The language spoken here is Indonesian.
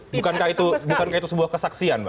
bukankah itu sebuah kesaksian